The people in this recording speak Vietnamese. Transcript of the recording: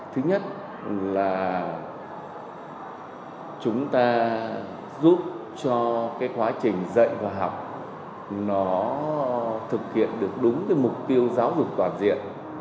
thứ nhất là chúng ta giúp cho cái quá trình dạy và học nó thực hiện được đúng cái mục tiêu giáo dục toàn diện